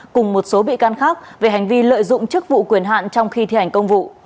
cùng một số bị can khác về hành vi lợi dụng chức vụ quyền hạn trong khi thi hành công vụ